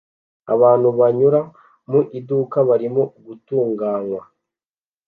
Abantu banyura mu iduka barimo gutunganywa